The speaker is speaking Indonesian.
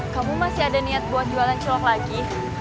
kamu masih ada niat buat jualan celok lagi